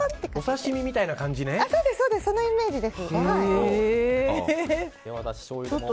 そのイメージです。